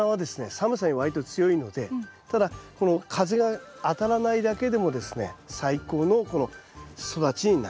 寒さに割と強いのでただこの風が当たらないだけでもですね最高の育ちになります。